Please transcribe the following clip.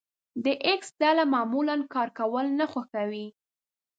د ايکس ډله معمولا کار کول نه خوښوي.